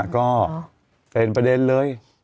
ก็เป็นประเด็นเลย